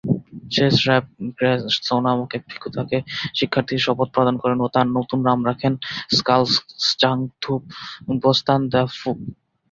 শেস-রাব-র্গ্যা-ম্ত্শো নামক এক ভিক্ষু তাকে শিক্ষার্থীর শপথ প্রদান করেন ও তার নতুন নাম রাখেন স্কাল-ব্জাং-থুব-ব্স্তান-দ্বাং-ফ্যুগ।